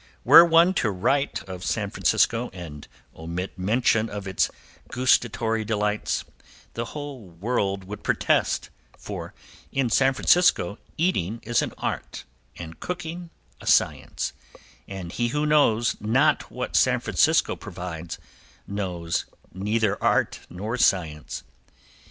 Were one to write of San Francisco and omit mention of its gustatory delights the whole world would protest, for in San Francisco eating is an art and cooking a science, and he who knows not what San Francisco provides knows neither art nor science.